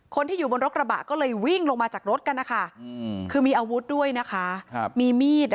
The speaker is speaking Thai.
คนที่อยู่บนรถกระบะก็เลยวิ่งลงมาจากรถกันนะคะคือมีอาวุธด้วยนะคะมีมีด